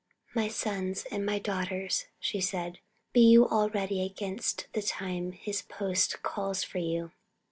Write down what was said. "My sons and my daughters," she said, "be you all ready against the time His post calls for you."